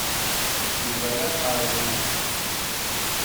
Yuba d aherbub.